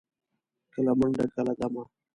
کله منډه، کله دمه.